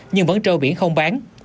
nhưng vẫn treo biển không bán